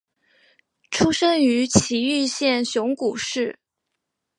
出生于崎玉县熊谷市。